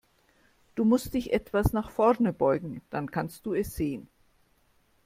Du musst dich etwas nach vorn beugen, dann kannst du es sehen.